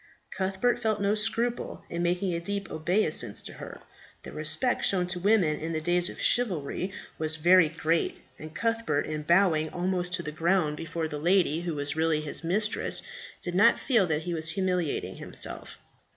Cuthbert felt no scruple in making a deep obeisance to her; the respect shown to women in the days of chivalry was very great, and Cuthbert in bowing almost to the ground before the lady who was really his mistress, did not feel that he was humiliating himself.